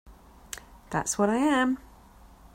That's what I am.